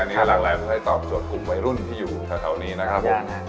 ก็ตอบกลุ่มวัยรุ่นที่อยู่ข้างข้างตรงนี้นะครับผม